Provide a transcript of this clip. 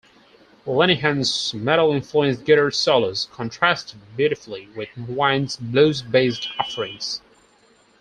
Lenihan's metal-influenced guitar solos contrasted beautifully with Wynn's blues-based offerings.